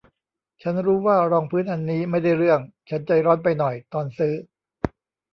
ฉันรู้ว่ารองพื้นอันนี้ไม่ได้เรื่อง ฉันใจร้อนไปหน่อยตอนซื้อ